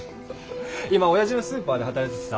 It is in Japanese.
今おやじのスーパーで働いててさ。